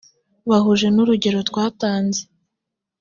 buhuje n urugero twatanze